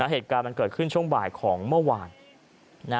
เหตุการณ์มันเกิดขึ้นช่วงบ่ายของเมื่อวาน